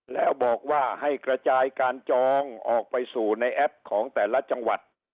แล้วบอกว่าให้กระจายการจองออกไปสู่ในแอปของแต่ละจังหวัด